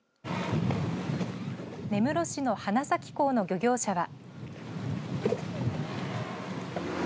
根室市の花咲港の漁業者は。